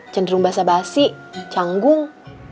cenderung basah basih canggung